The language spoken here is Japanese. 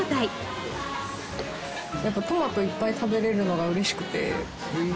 やっぱりトマトをいっぱい食べられるのが嬉しくて。